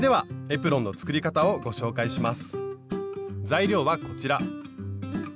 材料はこちら。